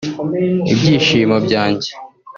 ibyishimo byanjye